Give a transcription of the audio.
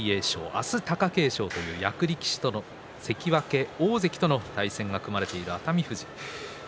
明日、貴景勝という役力士関脇大関との対戦が組まれている熱海富士。